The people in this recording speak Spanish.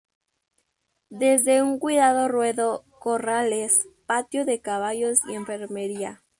Desde un cuidado ruedo, corrales, patio de caballos y enfermería.